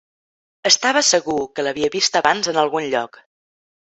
Estava segur que l'havia vist abans en algun lloc.